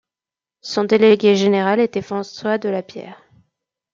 Son délégué général était François Delapierre.